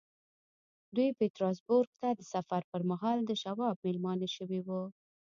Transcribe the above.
دوی پيټرزبورګ ته د سفر پر مهال د شواب مېلمانه شوي وو.